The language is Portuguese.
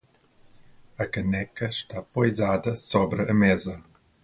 A caneca está poisada sobre a mesa.